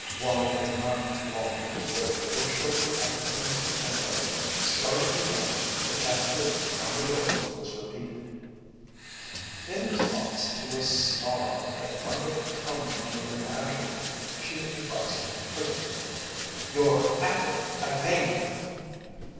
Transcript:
Wallie had not long to wait, for shortly after Mr. Penrose started again the tattoo on the door was repeated. In response to a snarl that might have come from a menagerie, she advised him curtly: "You're at it again!"